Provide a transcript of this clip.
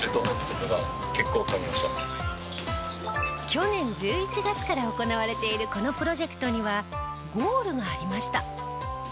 去年１１月から行われているこのプロジェクトにはゴールがありました。